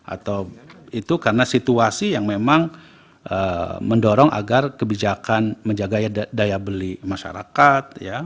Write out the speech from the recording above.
atau itu karena situasi yang memang mendorong agar kebijakan menjaga daya beli masyarakat